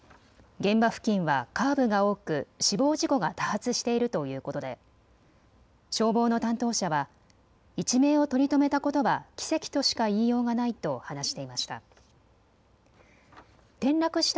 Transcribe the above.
現場付近はカーブが多く死亡事故が多発しているということで消防の担当者は一命を取り留めたことは奇跡としか言いようがないと話していました。